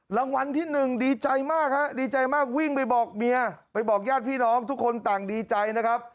รางวัลที่หนึ่งดีใจมากฮะดีใจมากวิ่งไปบอกเมียไปบอกญาติพี่น้องทุกคนต่างดีใจนะครับ